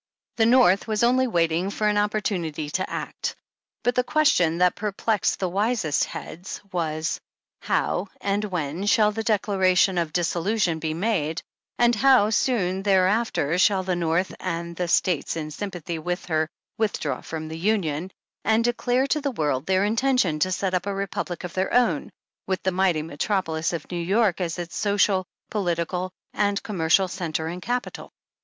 The North was only waiting for an opportunity to act. But the question that perplexed the wisest heads was : How and when shall the Declaration of Dis solution be made, and how soon thereafter shall the North and the States in sympathy with her with draw from the Union, and declare to the world their intention to set up a republic of their own, with the mighty metropolis of New York as its social, politi cal and commercial centre and capital